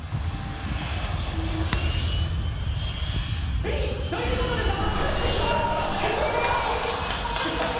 Ｂ！ということで騙された人は１４人！